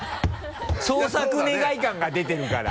「捜索願」感が出てるから。